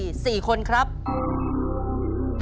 ตัวเลือกที่สาม๓คนและตัวเลือกที่สี่๔คน